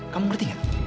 kamu ngerti gak